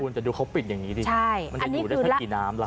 คุณจะดูเขาปิดอย่างงี้ดิใช่มันจะดูได้เท่ากี่น้ำล่ะ